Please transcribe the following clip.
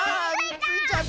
ついちゃった！